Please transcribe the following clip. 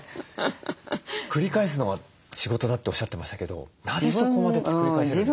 繰り返すのが仕事だっておっしゃってましたけどなぜそこまで繰り返せるんですか？